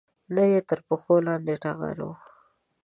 نه یې تر پښو لاندې ټغر و